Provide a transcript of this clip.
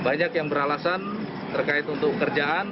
banyak yang beralasan terkait untuk kerjaan